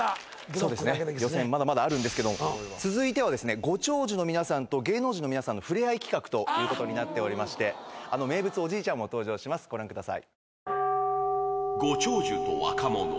そうですね予選まだまだあるんですけども続いてはですねご長寿のみなさんと芸能人のみなさんのふれあい企画ということになっておりましてあの名物おじいちゃんも登場しますご覧ください